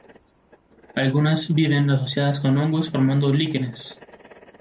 Algunas viven asociadas con hongos formando líquenes.